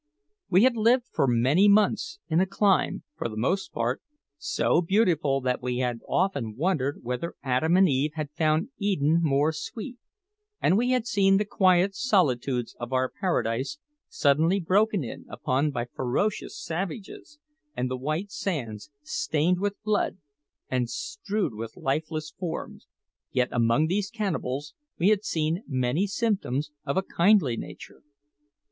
We had lived for many months in a clime, for the most part, so beautiful that we had often wondered whether Adam and Eve had found Eden more sweet; and we had seen the quiet solitudes of our paradise suddenly broken in upon by ferocious savages, and the white sands stained with blood and strewed with lifeless forms, yet among these cannibals we had seen many symptoms of a kindly nature.